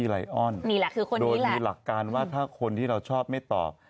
นี่แหละคือคนโดยมีหลักการว่าถ้าคนที่เราชอบไม่ตอบ